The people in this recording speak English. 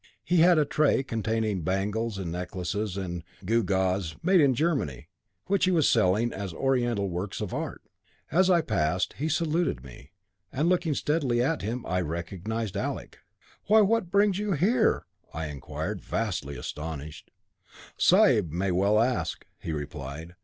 He had a tray containing bangles and necklaces and gewgaws, made in Germany, which he was selling as oriental works of art. As I passed, he saluted me, and, looking steadily at him, I recognised Alec. 'Why, what brings you here?' I inquired, vastly astonished. 'Sahib may well ask,' he replied.